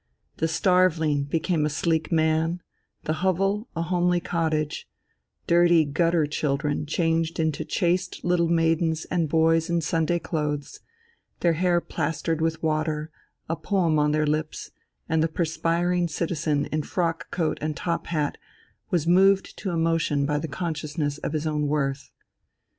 The starveling became a sleek man, the hovel a homely cottage, dirty gutter children changed into chaste little maidens and boys in Sunday clothes, their hair plastered with water, a poem on their lips, and the perspiring citizen in frock coat and top hat was moved to emotion by the consciousness of his own worth.